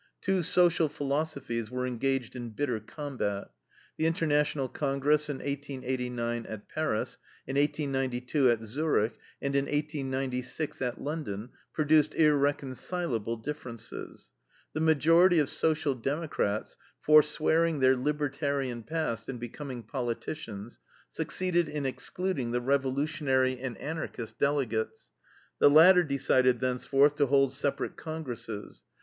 Two social philosophies were engaged in bitter combat. The International Congress in 1889, at Paris; in 1892, at Zurich, and in 1896, at London, produced irreconcilable differences. The majority of Social Democrats, forswearing their libertarian past and becoming politicians, succeeded in excluding the revolutionary and Anarchist delegates. The latter decided thenceforth to hold separate congresses.